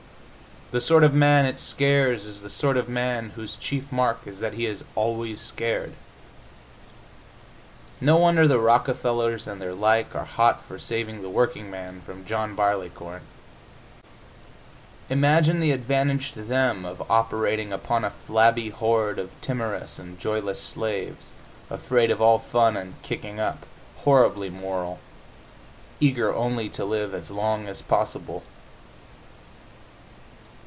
The sort of man it scares is the sort of man whose chief mark is that he is always scared. No wonder the Rockefellers and their like are hot for saving the workingman from John Barleycorn! Imagine the advantage to them of operating upon a flabby horde of timorous and joyless slaves, afraid of all fun and kicking up, horribly moral, eager only to live as long as possible!